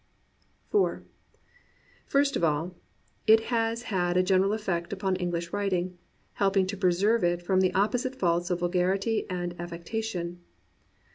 IV First of all, it has had a general effect upon Eng lish writing, helping to preserve it from the opposite faults of vulgarity and affectation.